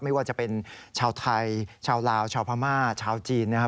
ไม่ว่าจะเป็นชาวไทยชาวลาวชาวพม่าชาวจีนนะครับ